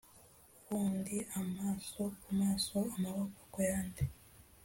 wundi amaso ku maso amaboko ku yandi